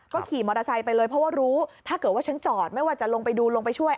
ขี่มอเตอร์ไซค์ไปเลยเพราะว่ารู้ถ้าเกิดว่าฉันจอดไม่ว่าจะลงไปดูลงไปช่วย